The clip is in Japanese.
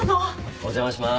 お邪魔します。